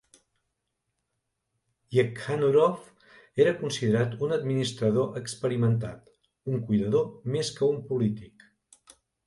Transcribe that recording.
Yekhanurov era considerat un administrador experimentat, un cuidador més que un polític.